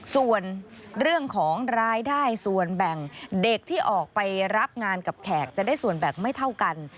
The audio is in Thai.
ส่วนเรื่องของรายได้ส่วนแบ่งเด็กที่ออกไปรับงานกับแขกจะได้ส่วนแบ่งไม่เท่ากัน